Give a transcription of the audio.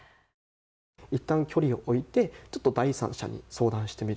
いったん距離を置いてちょっと第三者に相談してみる。